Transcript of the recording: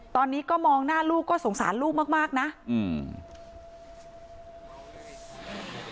ตอนนี้ก็มองหน้าลูกก็สงสารลูกมากมากน่ะอืม